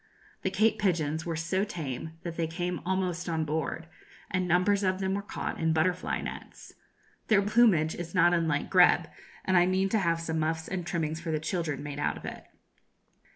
The cape pigeons were so tame that they came almost on board, and numbers of them were caught in butterfly nets. Their plumage is not unlike grebe, and I mean to have some muffs and trimmings for the children made out of it.